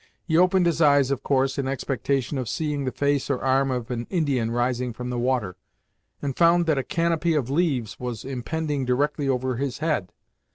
He opened his eyes of course, in expectation of seeing the face or arm of an Indian rising from the water, and found that a canopy of leaves was impending directly over his head.